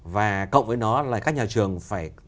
và cộng với nó là các nhà trường phải